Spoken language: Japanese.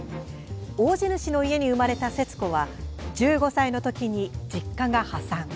大地主の家に生まれた節子は１５歳の時に実家が破産。